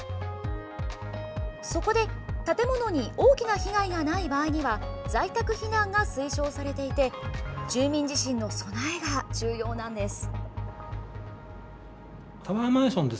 そこで、建物に大きな被害がない場合には在宅避難が推奨されていて住民自身の備えが重要なんです。